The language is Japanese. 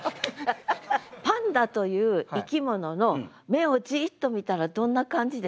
パンダという生き物の目をじっと見たらどんな感じですか？